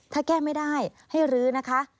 ถ้าแก้ไม่ได้ให้รื้อนะคะ